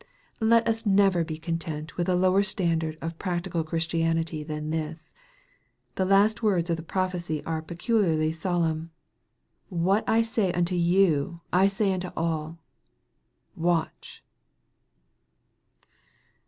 Let us never be content with a lower standard of practical Christianity than this. The last words of the prophecy are peculiarly solemn :" What I say unto you, I say unto all, Watch